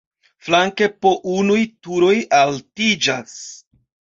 Flanke po unuj turoj altiĝas.